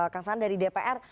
kang san dari dpr